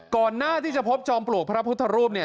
ก่อนหน้าที่จะพบจอมปลวกพระพุทธรูปเนี่ย